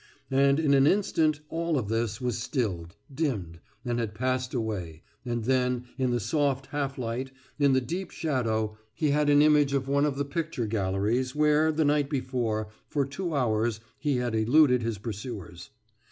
And in an instant all of this was stilled, dimmed, and had passed away, and then in the soft half light, in the deep shadow, he had an image of one of the picture galleries where, the day before, for two hours, he had eluded his pursuers.